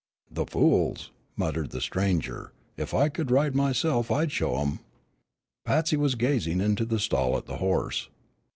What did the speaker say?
"The fools!" muttered the stranger. "If I could ride myself I'd show 'em!" Patsy was gazing into the stall at the horse.